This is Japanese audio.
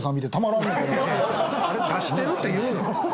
あれ出してるって言うの？